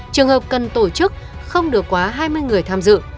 trường hợp cần tổ chức không được quá hai mươi người tham dự